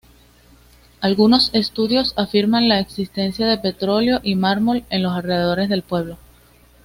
Algunos estudios afirman la existencia de petróleo y mármol en los alrededores del pueblo.